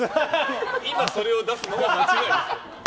今それを出すのは間違いです。